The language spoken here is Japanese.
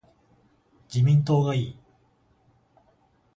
自民党がいい